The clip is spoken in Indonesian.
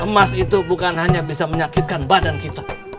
emas itu bukan hanya bisa menyakitkan badan kita